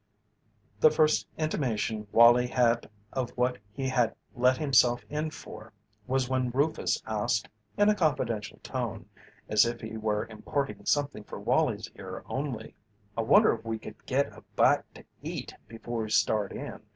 The first intimation Wallie had of what he had let himself in for was when Rufus asked in a confidential tone, as if he were imparting something for Wallie's ear only: "I wonder if we could get a bite to eat before we start in?